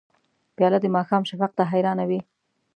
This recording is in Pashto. پیاله د ماښام شفق ته حیرانه وي.